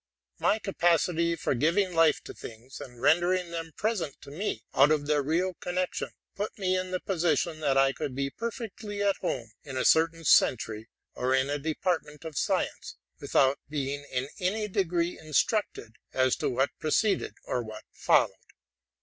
My capacity of giving life to things, and rendering them present to me out of their real connection, put me in the position that I could be perfectly at home in a certain century or in adepartment of science, without being in any degree in structed as to what preceded or what followed.